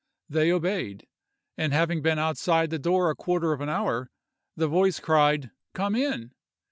They obeyed; and having been outside the door a quarter of an hour, the voice cried, "Come in!"